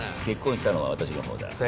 結婚したのは私の方だ。